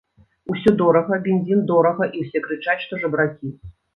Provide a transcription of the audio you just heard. Усё дорага, бензін дорага, і ўсе крычаць, што жабракі.